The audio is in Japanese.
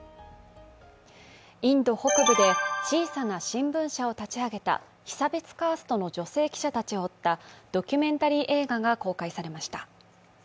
インド北部で小さな新聞社を立ち上げた被差別カーストの女性記者たちを追ったドキュメンタリー映画が公開されました。